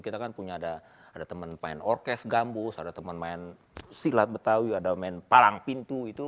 kita kan punya ada teman main orkes gambus ada teman main silat betawi ada main parang pintu itu